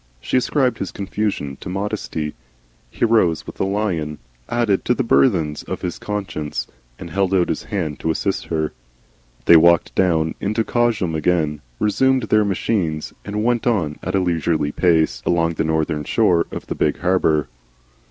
She ascribed his confusion to modesty. He rose with a lion added to the burthens of his conscience, and held out his hand to assist her. They walked down into Cosham again, resumed their machines, and went on at a leisurely pace along the northern shore of the big harbour.